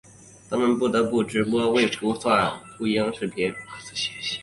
他们不得不直播未孵化秃鹰视频。